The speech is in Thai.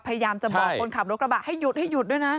พยายามจะบอกคนขับรถกระบะให้หยุดให้หยุดด้วยนะ